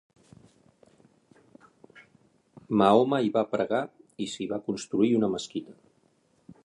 Mahoma hi va pregar i s'hi va construir una mesquita.